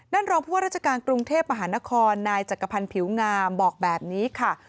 รองผู้ว่าราชการกรุงเทพมหานครนายจักรพันธ์ผิวงามบอกแบบนี้ค่ะ